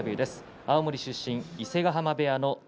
青森市出身伊勢ヶ濱部屋の尊